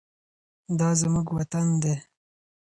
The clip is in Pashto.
دا زموږ وطن دی.